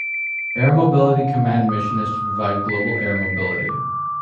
Air Mobility Command's mission is to provide global air mobility.